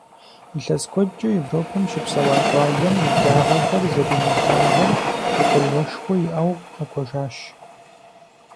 Илъэс куэдкӀэ Европэм щыпсэуа щӏалэм, и благъэхэр зэримылъагъур гукъеуэшхуэу иӀэу, къэкӀуэжащ.